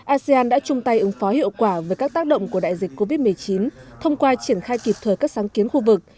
asean đã chung tay ứng phó hiệu quả với các tác động của đại dịch covid một mươi chín thông qua triển khai kịp thời các sáng kiến khu vực